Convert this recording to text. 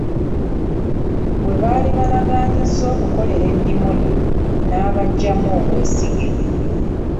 Gwe baali balaganyizza okukolera eddimo lino n'abaggyamu obw’esige.